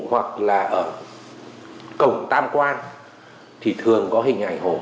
ở cổng tam quan thì thường có hình ảnh hổ